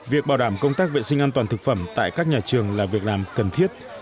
việc bảo đảm công tác vệ sinh an toàn thực phẩm tại các nhà trường là việc làm cần thiết